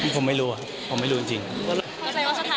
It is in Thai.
ผมไม่รู้ครับผมไม่รู้จริงครับ